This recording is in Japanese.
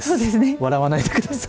笑わないでください。